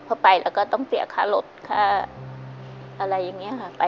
พอไปแล้วก็ต้องเสียค่ารถค่าอะไรอย่างนี้ค่ะ